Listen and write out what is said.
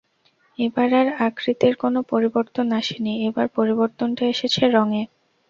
এবার আর আকৃতির কোনো পরিবর্তন আসেনি, এবার পরিবর্তনটা এসেছে রঙে।